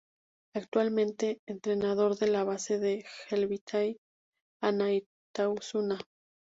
Actualmente entrenador de la base de helvetia anaitasuna.